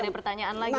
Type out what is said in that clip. ada pertanyaan lagi ya